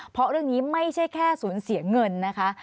เพราะเรื่องนี้ไม่ใช่แค่สูญเสียเงินนะคะ